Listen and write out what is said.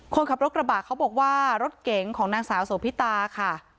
คนขับรถกระบะเขาบอกว่ารถเก๋งของนางสาวโสพิตาค่ะ